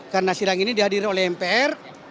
karena sidang ini dihadiri oleh mpr